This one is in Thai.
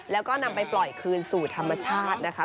แล้วก็นำไปปล่อยคืนสู่ธรรมชาตินะคะ